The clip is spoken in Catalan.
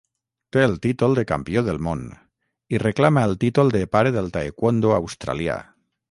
Té el títol de "Campió del Món" i reclama el títol de "Pare del Taekwondo australià".